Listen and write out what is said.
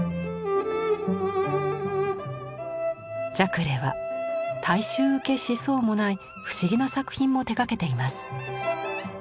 ジャクレーは大衆受けしそうもない不思議な作品も手がけています。